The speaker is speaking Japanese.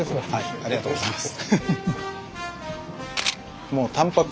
ありがとうございます。